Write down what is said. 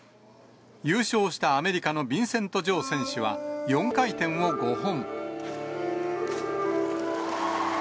優勝したアメリカのビンセント・ジョー選手は４回転を５本。